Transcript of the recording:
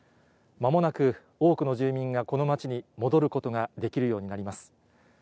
まもなく多くの住民がこの町に戻ることができるようになります。